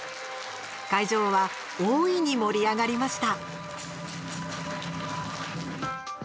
会場は大いに盛り上がりました。